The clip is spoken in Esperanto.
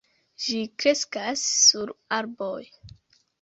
Ĝi kreskas sur arboj.